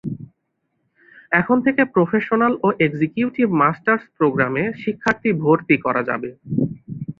এখন থেকে প্রফেশনাল ও এক্সিকিউটিভ মাস্টার্স প্রোগ্রামে শিক্ষার্থী ভর্তি করা যাবে।